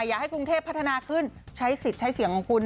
อยากให้กรุงเทพพัฒนาขึ้นใช้สิทธิ์ใช้เสียงของคุณ